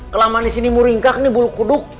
kelamaan disini muringkak nih bulu kuduk